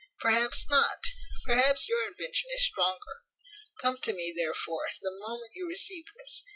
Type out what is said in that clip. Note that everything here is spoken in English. Perhaps not. Perhaps your invention is stronger. Come to me, therefore, the moment you receive this.